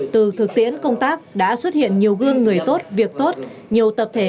từ thực tiễn công tác đã xuất hiện nhiều gương người tốt việc tốt